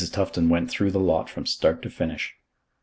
Tufton went through the lot from start to finish.